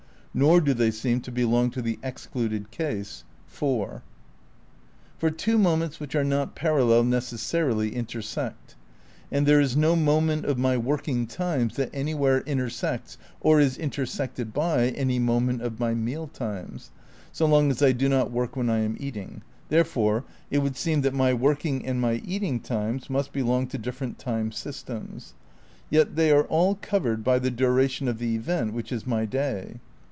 Nor do they seem to belong to the excluded case (iv). For '' two moments which are not parallel necessarily intersect." And there is no moment of my working times that anywhere intersects or is intersected by any moment of my meal times — so long as I do not work when I am eating — therefore it would seem that my working and my eating times must belong to dif ferent time systems. Yet they are all covered by the duration of the event which is my day.